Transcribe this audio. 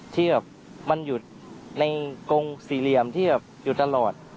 ที่แบบมันอยู่ในกงสี่เหลี่ยมที่แบบอยู่ตลอด